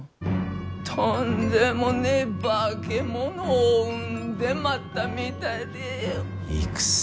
とんでもねえ化け物を生んでまったみたいで。